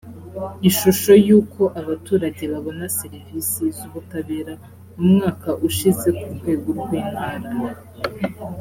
ishusho y’uko abaturage babona serivisi z’ubutabera mu mwaka ushize ku rwego rw’intara